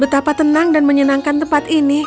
betapa tenang dan menyenangkan tempat ini